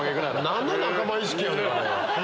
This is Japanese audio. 何の仲間意識やねん！